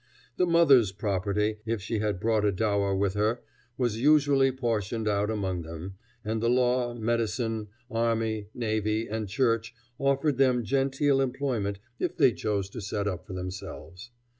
The mother's property, if she had brought a dower with her, was usually portioned out among them, and the law, medicine, army, navy, and church offered them genteel employment if they chose to set up for themselves.